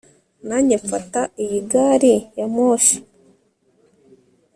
Nanjye mfata iyi gari ya moshi